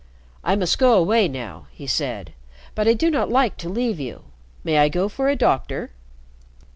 "I must go away now," he said, "but I do not like to leave you. May I go for a doctor?"